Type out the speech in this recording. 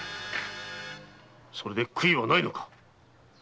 それで悔いはないのか？